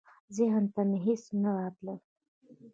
ذهن ته مي هیڅ نه راتلل .